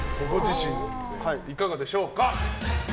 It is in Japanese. いかがでしょうか。